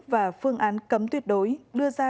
và phương án cấm tuyệt đối đưa ra